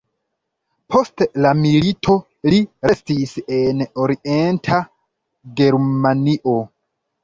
Post la milito li restis en Orienta Germanio.